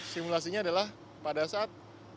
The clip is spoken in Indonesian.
simulasinya adalah pada saat